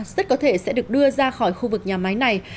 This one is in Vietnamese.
rất có thể sẽ được đưa ra khỏi khu vực nhà máy này